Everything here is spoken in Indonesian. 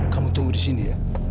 kamu tunggu di sini ya